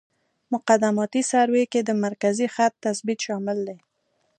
مقدماتي سروې کې د مرکزي خط تثبیت شامل دی